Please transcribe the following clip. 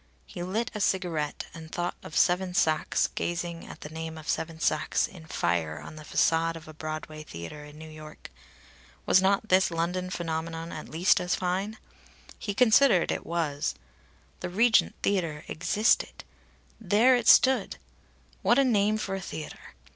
He lit a cigarette, and thought of Seven Sachs gazing at the name of Seven Sachs in fire on the façade of a Broadway theatre in New York. Was not this London phenomenon at least as fine? He considered it was. The Regent Theatre existed there it stood! (What a name for a theatre!)